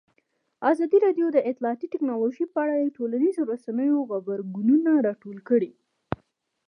ازادي راډیو د اطلاعاتی تکنالوژي په اړه د ټولنیزو رسنیو غبرګونونه راټول کړي.